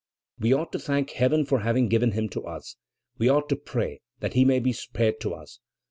We ought to thank Heaven for having given him to us. We ought to pray that he may be spared to us."